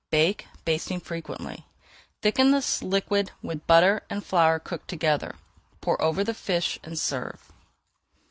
Bake, basting frequently. Thicken the liquid with butter and flour cooked together, pour over the fish, and serve.